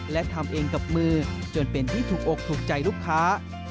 และทำเองกับมือจนเป็นที่ถูกอกถูกใจลูกค้า